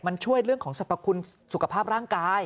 มันช่วยเรื่องของสรรพคุณสุขภาพร่างกาย